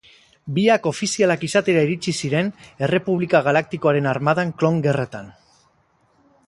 Biak ofizialak izatera iritsi ziren Errepublika Galaktikoaren armadan Klon Gerretan.